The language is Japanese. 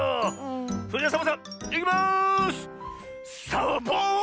それじゃサボさんいきます！サッボーン！